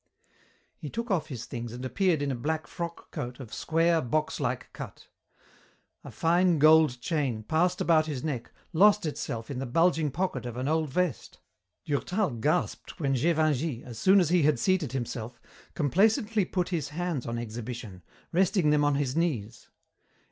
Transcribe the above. He took off his things and appeared in a black frock coat of square, boxlike cut. A fine gold chain, passed about his neck, lost itself in the bulging pocket of an old vest. Durtal gasped when Gévingey, as soon as he had seated himself, complacently put his hands on exhibition, resting them on his knees.